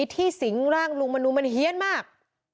ที่สิงห์ร่างลุงมนุมมันเฮียนมาก